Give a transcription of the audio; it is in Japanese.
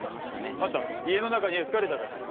あんた家の中にエスカレーターがあるのか？